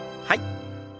はい。